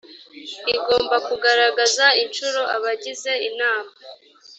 igomba kugaragaza inshuro abagize inama